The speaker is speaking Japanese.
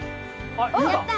やった！